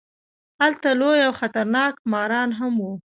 هلته لوی او خطرناک ماران هم وو.